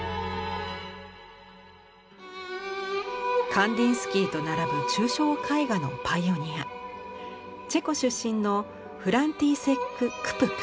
カンディンスキーと並ぶ抽象絵画のパイオニアチェコ出身のフランティセック・クプカ。